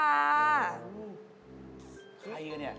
ใครกันเนี่ย